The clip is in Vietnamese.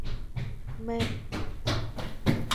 Mẹ